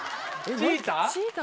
「チーター」。